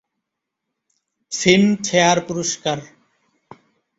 Filmfare পুরস্কার